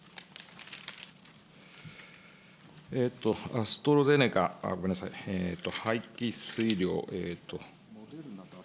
アストラゼネカ、ごめんなさい、廃棄数量。